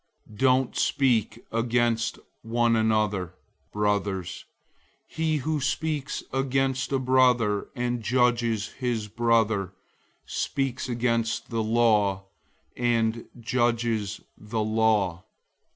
004:011 Don't speak against one another, brothers. He who speaks against a brother and judges his brother, speaks against the law and judges the law.